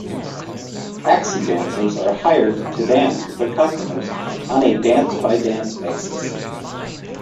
Taxi dancers are hired to dance with their customers on a dance-by-dance basis.